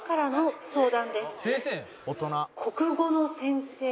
国語の先生。